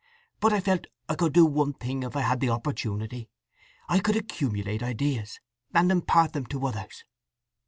But I felt I could do one thing if I had the opportunity. I could accumulate ideas, and impart them to others.